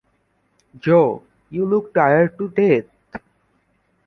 Jo, you look tired to death.